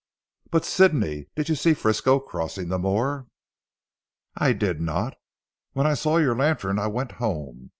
"But Sidney, did you see Frisco crossing the moor?" "I did not. When I saw your lantern I went home.